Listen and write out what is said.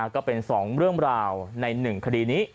ก็เป็น๒เรื่องราวใน๑คดีนี้